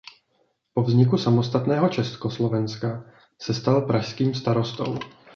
Po vzniku samostatného Československa se stal pražským starostou.